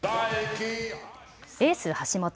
エース、橋本。